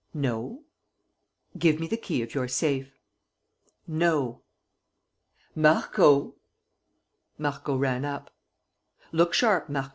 "No." "Give me the key of your safe." "No." "Marco!" Marco ran up. "Look sharp, Marco!